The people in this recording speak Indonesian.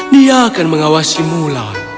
dia akan mengawasi mulan